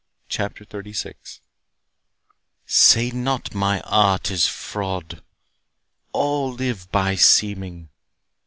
CHAPTER XXXVI Say not my art is fraud—all live by seeming.